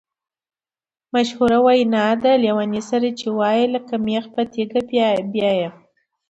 مشهوره وینا ده: لېوني سره یې چې وایې لکه مېخ په تیګه بیایې.